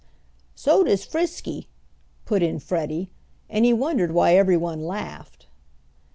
"So does Frisky," put in Freddie, and he wondered why everyone laughed.